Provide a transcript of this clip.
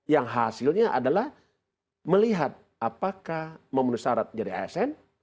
yang hasilnya adalah melihat apakah memenuhi syarat jadi asn